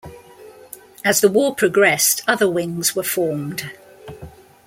As the war progressed, other wings were formed.